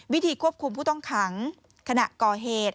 วิธีควบคุมผู้ต้องขังขณะก่อเหตุ